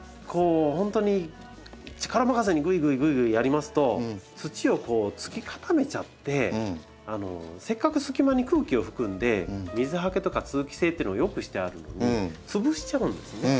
本当に力任せにぐいぐいぐいぐいやりますと土をつき固めちゃってせっかく隙間に空気を含んで水はけとか通気性っていうのを良くしてあるのに潰しちゃうんですよね。